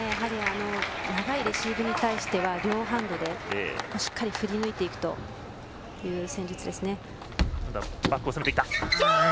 長いレシーブに対しては両ハンドでしっかり振りぬいていくという戦術ですね。